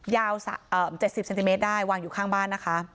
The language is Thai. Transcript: ยาวเอ่อเจ็ดสิบเซนติเมตรได้วางอยู่ข้างบ้านนะคะ